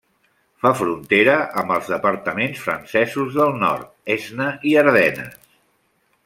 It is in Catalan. Fa frontera amb els departaments francesos del Nord, Aisne i Ardenes.